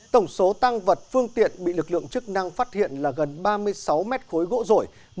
tổng số tăng vật phương tiện bị lực lượng chức năng phát hiện là gần ba mươi sáu mét khối gỗ rổi